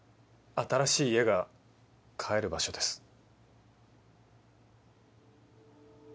新しい家が帰る場所です。